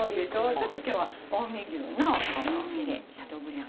ちょっと今日は近江牛のヒレシャトーブリアンを。